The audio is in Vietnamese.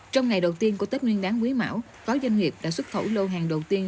trong ngày đầu tiên của tết nguyên đáng quý mão doanh nghiệp đã xuất khẩu lô hàng đầu tiên